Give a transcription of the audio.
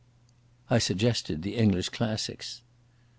I suggested the English classics.